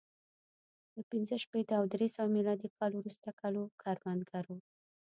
له پنځه شپېته او درې سوه میلادي کال وروسته کلو کروندګرو